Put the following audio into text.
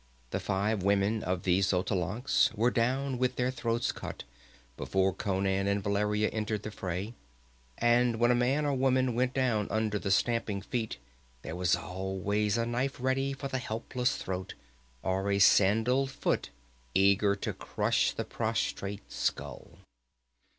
The five women of the Xotalancas were down with their throats cut before Conan and Valeria entered the fray, and when a man or woman went down under the stamping feet, there was always a knife ready for the helpless throat, or a sandaled foot eager to crush the prostrate skull.